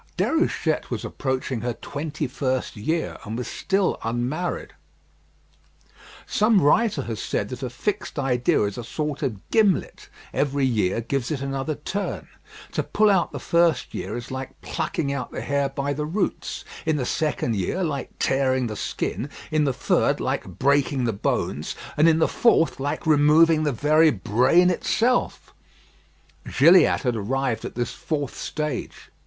Déruchette was approaching her twenty first year, and was still unmarried. Some writer has said that a fixed idea is a sort of gimlet; every year gives it another turn. To pull out the first year is like plucking out the hair by the roots; in the second year, like tearing the skin; in the third, like breaking the bones; and in the fourth, like removing the very brain itself. Gilliatt had arrived at this fourth stage.